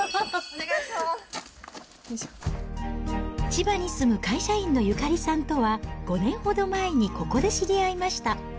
千葉に住む会社員のゆかりさんとは、５年ほど前にここで知り合いました。